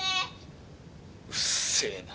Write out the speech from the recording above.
うっせえな。